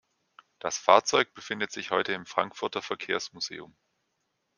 Das Fahrzeug befindet sich heute im Frankfurter Verkehrsmuseum.